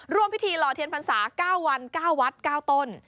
รวมพิธีหล่อเทียนภัณฑ์ศาสตร์๙วัน๙วัฒน์๙ตน